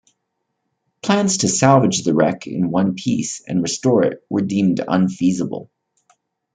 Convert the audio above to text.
Plans to salvage the wreck in one piece and restore it were deemed unfeasible.